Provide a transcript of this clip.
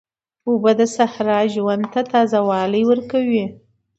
اوبه د صحرا ژوند ته تازه والی ورکوي.